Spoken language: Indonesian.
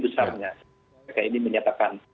apa narasi besar